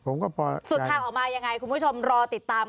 สุดทางออกมายังไงคุณผู้ชมรอติดตาม